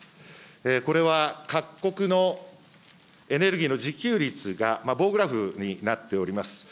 これは各国のエネルギーの自給率が棒グラフになっております。